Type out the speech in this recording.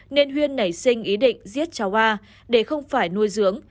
nên huyên nảy sinh ý định giết cháu ba để không phải nuôi dưỡng